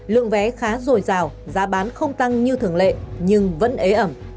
lượng vé khá dồi dào giá bán không tăng như thường lệ nhưng vẫn ế ẩm